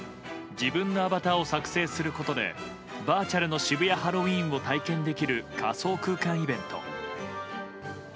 自分のアバターを作成することでバーチャルの渋谷ハロウィーンを体験できる仮想空間イベント。